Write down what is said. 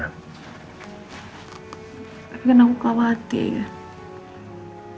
tapi kan aku khawatir